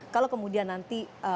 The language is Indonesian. kalau kemudian nanti